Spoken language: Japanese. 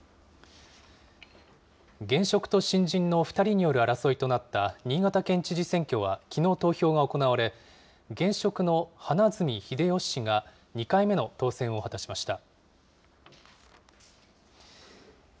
現職と新人の２人による争いとなった新潟県知事選挙はきのう投票が行われ、現職の花角英世氏が２回目の当選を果たしました。